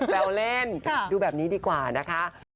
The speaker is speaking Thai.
แววเล่นดูแบบนี้ดีกว่านะคะ